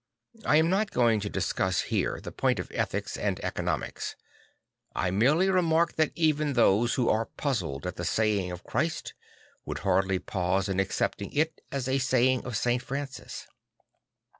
I am not going to discuss here the point of ethics and economics; I merely remark that even those who are puzzled at the saying of Christ would hardly pause in accepting it as a saying of St. Francis.